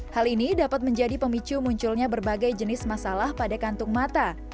hal ini dapat menjadi pemicu munculnya berbagai jenis masalah pada kantung mata